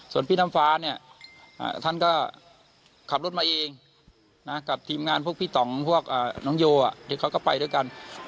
ส่วนพี่น้ำฟ้าเนี่ยท่านก็ขับรถมาเองกับทีมงานพวกพี่ต่องพวกน้องโยเดี๋ยวเขาก็ไปด้วยกัน